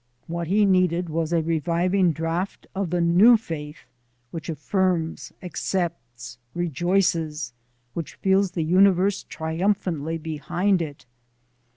What he needed was a reviving draught of the new faith which affirms, accepts, rejoices, which feels the universe triumphantly behind it.